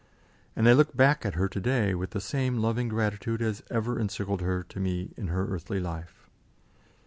And I look back at her to day with the same loving gratitude as ever encircled her to me in her earthly life.